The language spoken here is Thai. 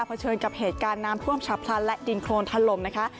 เฉินกับเหตุการณ์น้ำท่วมฉับพลันและดินโครนทะลมนะคะ